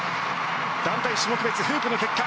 団体種目別フープの結果。